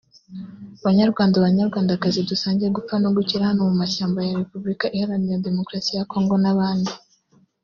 Banyarwanda Banyarwandakazi dusangiye gupfa no gukira hano mu mashyamba ya Repuburika Iharanira Demokarasi ya Kongo n’abandi